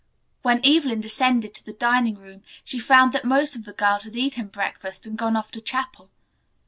When Evelyn descended to the dining room she found that most of the girls had eaten breakfast and gone off to chapel.